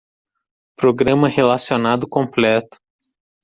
Programa relacionado completo